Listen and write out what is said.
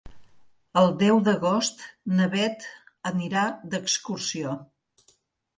El deu d'agost na Beth anirà d'excursió.